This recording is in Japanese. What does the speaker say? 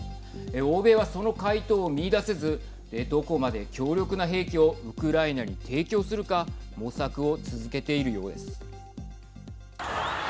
欧米は、その回答を見いだせずどこまで強力な兵器をウクライナに提供するか模索を続けているようです。